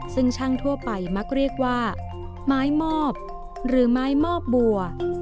ซึ่งช่างทั่วไปมักเรียกว่าไม้มอบหรือไม้มอบบัว